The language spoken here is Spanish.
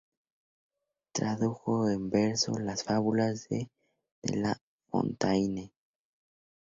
Tradujo en verso las "Fábulas" de La Fontaine.